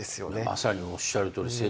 まさにおっしゃるとおり。